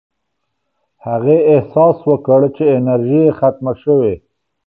هغې احساس وکړ چې انرژي یې ختمه شوې.